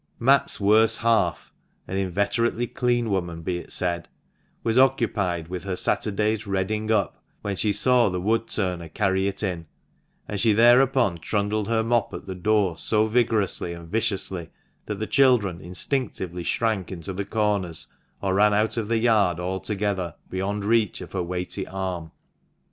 Matt's worse half — an inveterately clean woman, be it said — was occupied with her Saturday's " redding up," when she saw the wood turner carry it in ; and she thereupon trundled her mop at the door so vigorously and viciously, that the children instinctively shrank into corners, or ran out of the yard altogether, beyond reach of her weighty arm.